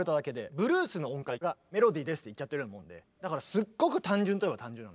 ブルースの音階がメロディーですって言っちゃってるようなもんでだからすっごく単純といえば単純。